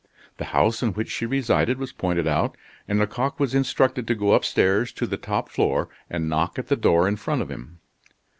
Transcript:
The house in which she resided was pointed out, and Lecoq was instructed to go upstairs to the top floor, and knock at the door in front of him.